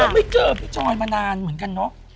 ไม่เจอพี่จอยมานานเหมือนกันเนอะ